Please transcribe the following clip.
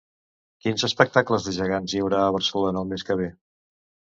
Quins espectacles de gegants hi haurà a Barcelona el mes que ve?